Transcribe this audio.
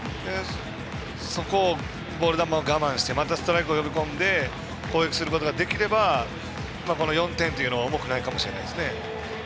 そこを、ボール球を我慢してまたストライクを呼び込んで攻撃することができればこの４点というのは重くないかもしれないですね。